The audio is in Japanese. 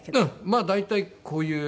まあ大体こういう。